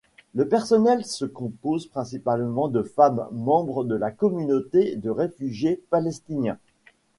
Le personnel se compose principalement de femmes, membres de la communauté de réfugiés palestiniens.